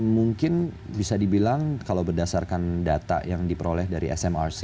mungkin bisa dibilang kalau berdasarkan data yang diperoleh dari smrc